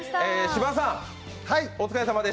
芝さん